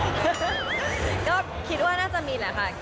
ก็คิดว่าน่าจะมีแหละค่ะ